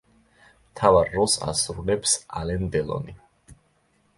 მთავარ როლს ასრულებს ალენ დელონი.